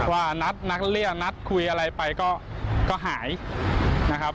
ว่านัดนักเรียนนัดคุยอะไรไปก็หายนะครับ